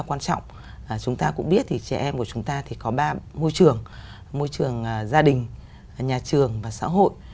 quan trọng chúng ta cũng biết thì trẻ em của chúng ta thì có ba môi trường môi trường gia đình nhà trường và xã hội